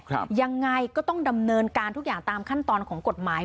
ยังไงก็ต้องดำเนินการทุกอย่างตามขั้นตอนของกฎหมาย